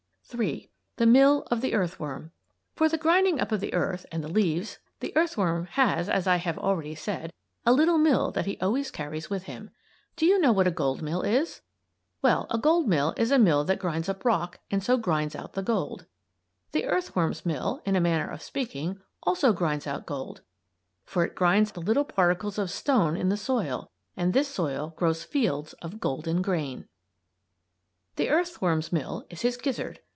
III. THE MILL OF THE EARTHWORM For the grinding up of the earth and the leaves, the earthworm has, as I have already said, a little mill that he always carries with him. Do you know what a gold mill is? Well, a gold mill is a mill that grinds up rock and so grinds out the gold. The earthworm's mill, in a manner of speaking, also grinds out gold, for it grinds the little particles of stone in the soil, and this soil grows fields of golden grain. The earthworm's mill is his gizzard.